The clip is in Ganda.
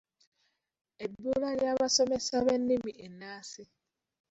Ebbula ly’abasomesa b’ennimi ennansi.